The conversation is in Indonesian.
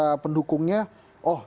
yang ketiga kayak